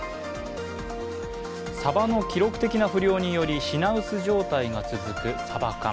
さばの記録的な不漁により品薄状態が続くさば缶。